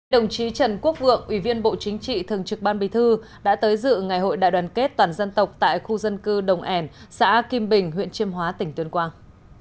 đồng chí trần quốc vượng ủy viên bộ chính trị thường trực ban bí thư đã tới dự ngày hội đại đoàn kết toàn dân tộc tại khu dân cư đồng ảnh xã kim bình huyện chiêm hóa tỉnh tuyên quang